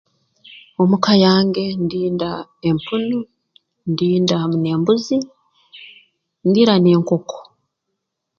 Omu ka yange ndinda empunu ndinda hamu n'embuzi ndinda n'enkoko